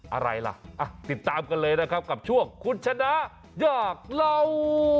อะไรละติดตามกันเลยนะครับช่วงคุณชนะหยากราว